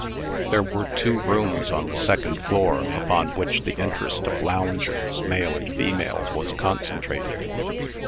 There were two rooms on the second floor, upon which the interest of loungers, male and female, was concentrated.